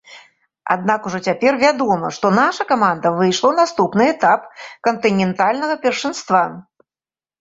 Аднак ужо цяпер вядома, што наша каманда выйшла ў наступны этап кантынентальнага першынства.